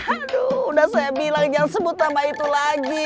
aduh udah saya bilang jangan sebut nama itu lagi